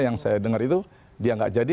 yang saya dengar itu dia nggak jadi